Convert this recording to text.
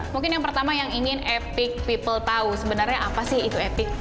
mungkin yang pertama yang ingin epic people tahu sebenarnya apa sih itu epic